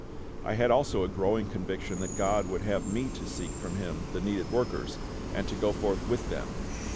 I had also a growing conviction that GOD would have me to seek from Him the needed workers, and to go forth with them.